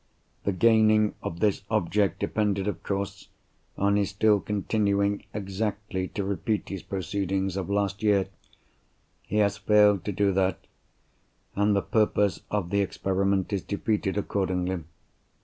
The gaining of this object depended, of course, on his still continuing exactly to repeat his proceedings of last year. He has failed to do that; and the purpose of the experiment is defeated accordingly.